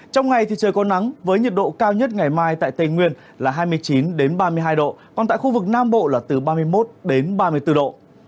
trong ngày thì trời có nắng với nhiệt độ cao nhất ngày mai tại tây nguyên là hai mươi chín ba mươi hai độ còn tại khu vực nam bộ là từ ba mươi một ba mươi bốn độ